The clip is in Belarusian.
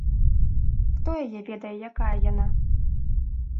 Хто яе ведае, якая яна.